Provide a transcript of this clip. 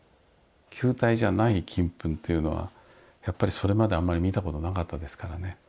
球体じゃない金粉というのはやっぱりそれまであんまり見たことなかったですからね。